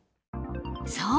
そう。